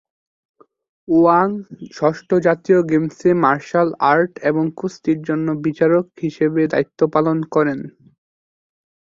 Wang ষষ্ঠ জাতীয় গেমসে মার্শাল আর্ট এবং কুস্তির জন্য বিচারক হিসেবে দায়িত্ব পালন করেন।